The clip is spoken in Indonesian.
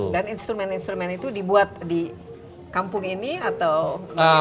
dan instrumen instrumen itu dibuat di kampung ini atau